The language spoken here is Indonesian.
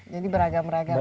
jadi beragam agam ya